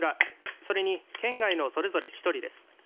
それに県外のそれぞれ１人です。